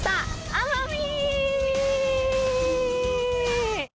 奄美！